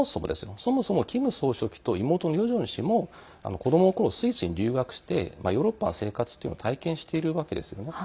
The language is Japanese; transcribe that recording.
そもそも、キム総書記と妹のヨジョン氏も子どものころ、スイスに留学してヨーロッパの生活というのを体験しているわけですよね。